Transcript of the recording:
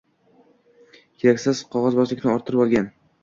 Keraksiz qog‘ozbozliklarni orttirib olgan.